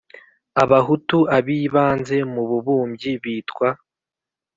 Abahutu abibanze mu bubumbyi bitwa